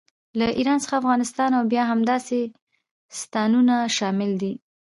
له ایران څخه افغانستان او بیا همداسې ستانونه شامل دي.